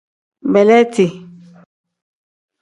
Beleeti.